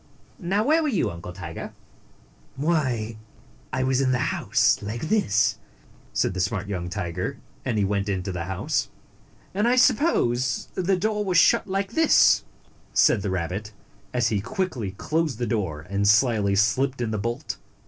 "Now, where were you, Uncle Tiger?" "Why, I was inside the house, like this," said the smart young tiger, and he went into the house. 144 "And I suppose the door was shut like this," said the rabbit, as he quickly closed the door and slyly slipped in the bolt.